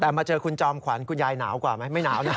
แต่มาเจอคุณจอมขวัญคุณยายหนาวกว่าไหมไม่หนาวนะ